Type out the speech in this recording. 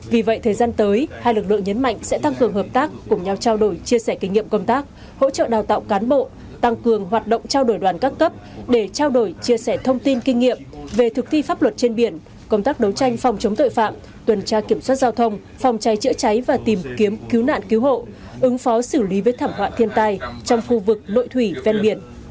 vì vậy thời gian tới hai lực lượng nhấn mạnh sẽ tăng cường hợp tác cùng nhau trao đổi chia sẻ kinh nghiệm công tác hỗ trợ đào tạo cán bộ tăng cường hoạt động trao đổi đoàn các cấp để trao đổi chia sẻ thông tin kinh nghiệm về thực thi pháp luật trên biển công tác đấu tranh phòng chống tội phạm tuần tra kiểm soát giao thông phòng chai chữa cháy và tìm kiếm cứu nạn cứu hộ ứng phó xử lý với thảm họa thiên tai trong khu vực nội thủy ven biển